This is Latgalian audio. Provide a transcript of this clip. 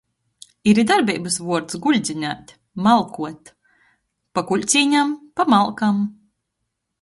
Ir i darbeibys vuords "guļdzinēt" — "malkot". "Pa kuļcīņam" — "pa malkam"!